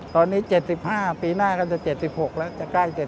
ตอนนี้๗๕ปีหน้าก็จะ๗๖ละจะใกล้๗๖เข้าไปแล้ว